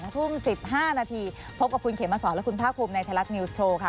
๒ทุ่ม๑๕นาทีพบกับคุณเขมสอนและคุณภาคภูมิในไทยรัฐนิวส์โชว์ค่ะ